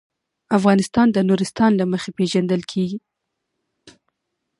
افغانستان د نورستان له مخې پېژندل کېږي.